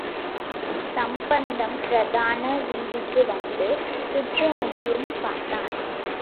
சம்பந்தம், பிரதான வீதிக்கு வந்து, சுற்றுமுற்றும் பார்த்தார்.